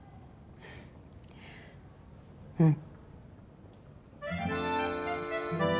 うん。